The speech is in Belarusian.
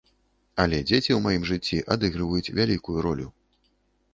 Але дзеці ў маім жыцці адыгрываюць вялікую ролю.